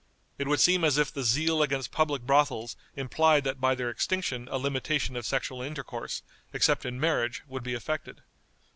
It would seem as if the zeal against public brothels implied that by their extinction a limitation of sexual intercourse, except in marriage, would be effected.